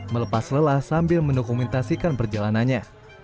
melepas lelah sambil mendokumentasikan perjalanannya